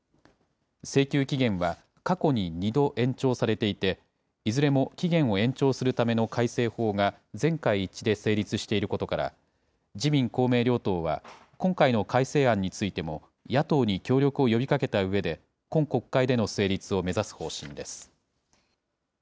請求期限は、過去に２度延長されていて、いずれも期限を延長するための改正法が全会一致で成立していることから、自民、公明両党は、今回の改正案についても、野党に協力を呼びかけたうえで、今国会での成立を目指す方針です。